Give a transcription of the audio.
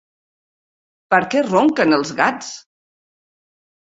Per què ronquen els gats?